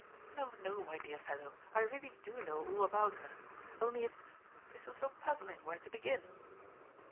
" No, no, my dear fellow, I really do know all about her ; only it's — it's a little puzzling where to begin."